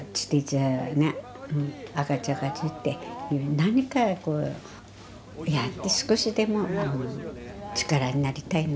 何かこうやって少しでも力になりたいな。